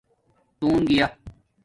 تݸن گیا